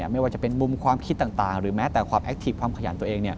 ไม่ว่าจะเป็นมุมความคิดต่างหรือแม้แต่ความแอคทีฟความขยันตัวเอง